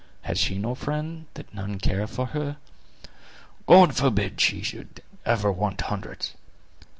Has she no friend, that none care for her?" "God forbid she should ever want hundreds!